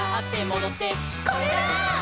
「これだー！」